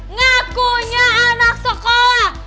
ngakunya anak sekolah